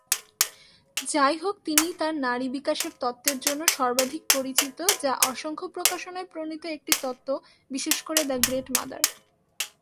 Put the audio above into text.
যাইহোক, তিনি তার নারী বিকাশের তত্ত্বের জন্য সর্বাধিক পরিচিত, যা অসংখ্য প্রকাশনায় প্রণীত একটি তত্ত্ব, বিশেষ করে "দ্য গ্রেট মাদার"।